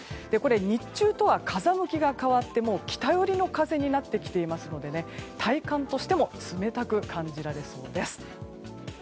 日中とは風向きが変わって北寄りの風になってきていますので体感としても冷たく感じられそうです。